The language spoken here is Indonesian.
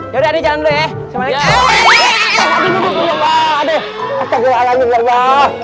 ya udah andi jalan dulu ya